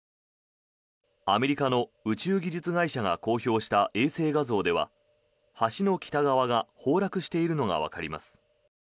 アメリカの宇宙技術会社が公表した衛星画像では橋の北側が崩落しているのがわかります。